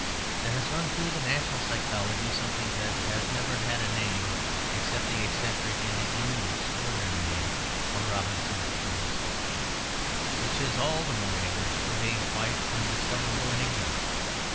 There has run through the national psychology something that has never had a name except the eccentric and indeed extraordinary name of Robinson Crusoe; which is all the more English for being quite undiscoverable in England.